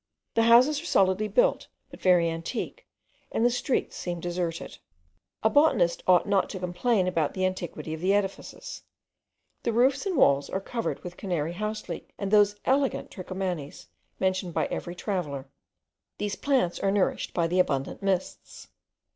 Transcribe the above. The houses are solidly built, but very antique, and the streets seem deserted. A botanist ought not to complain of the antiquity of the edifices. The roofs and walls are covered with Canary house leek and those elegant trichomanes, mentioned by every traveller. These plants are nourished by the abundant mists.